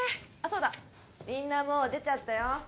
そうだみんなもう出ちゃったよ